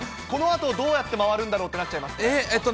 このあと、どうやって回るんだろうとなっちゃいますから。